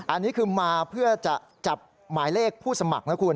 อันนี้คือมาเพื่อจะจับหมายเลขผู้สมัครนะคุณ